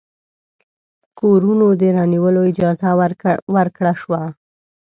کورونو د رانیولو اجازه ورکړه شوه.